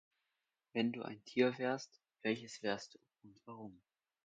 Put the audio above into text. Wenn du ein Tier wärst, welches wärst du und warum?